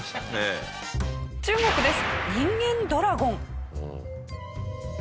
中国です。